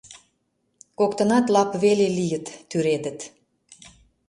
Коктынат лап веле лийыт — тӱредыт.